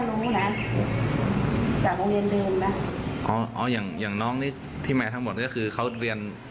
แต่พี่แม่รู้นะจากโรงเรียนเดินนะอ๋ออ๋ออย่างอย่างน้องนี่ที่แม่ทั้งหมดก็คือเขาเรียนมัธยมด้วยกัน